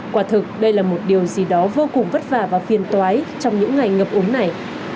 quả thực đây là một điều gì đó vô cùng vất vả và phiền toái trong những ngày ngập ống này